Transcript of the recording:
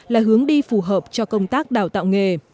là hướng đi phù hợp cho công tác đào tạo nghề